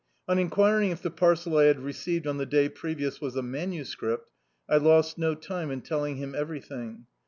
On en quiring if the parcel I had received on the day pre* vious was a manuscript, I lost no time in telling him everything.